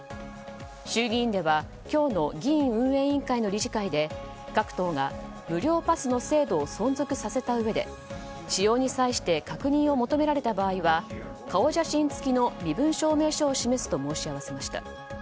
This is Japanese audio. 衆議院では今日の議院運営委員会の理事会で各党が無料パスの制度を存続させたうえで、使用に際して確認を求められた場合は顔写真付きの身分証明書を示すと申し合わせました。